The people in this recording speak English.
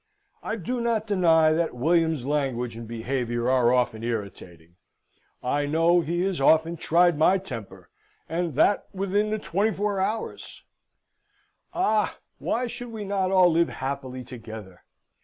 I do not deny that Wm.'s language and behaviour are often irritating. I know he has often tried my temper, and that within the 24 hours. "Ah! why should we not all live happily together?